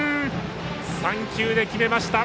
３球で決めました。